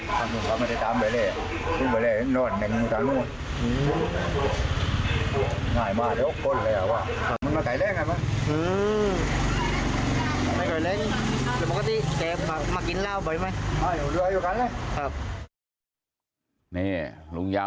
ไกล้เล็กอ่ะมันไม่ไก่เล็กอยู่บรรคานี้ลุงยาว